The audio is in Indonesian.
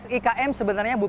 sikm sebenarnya bukan